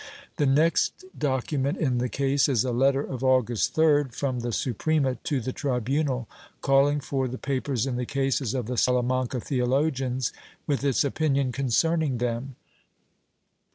The next docu ment in the case is a letter of August 3d, from the Suprema to the tribunal, calling for the papers in the cases of the Salamanca theologians, with its opinion concerning them.